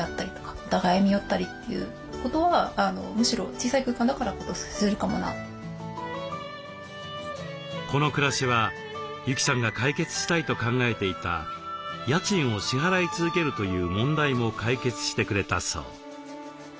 小さい空間で距離が近いといったら近いんですけどもこの暮らしは由季さんが解決したいと考えていた家賃を支払い続けるという問題も解決してくれたそう。